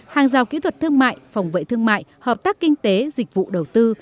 hàng rào kỹ thuật thương mại phòng vệ thương mại hợp tác kinh tế dịch vụ đầu tư